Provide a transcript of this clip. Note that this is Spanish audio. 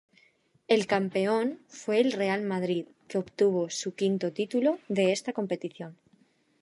El campeón fue el Real Madrid, que obtuvo su quinto título de esta competición.